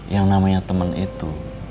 yang namanya temen itu